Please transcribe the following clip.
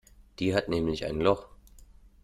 Die hat nämlich ein Loch.